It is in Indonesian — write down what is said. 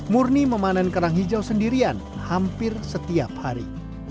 murni memanen kerang hijau sendirian hampir setiap hari